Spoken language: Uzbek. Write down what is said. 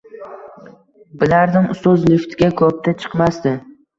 Bilardim, ustoz liftga ko‘pda chiqmasdi